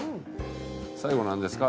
最後なんですか？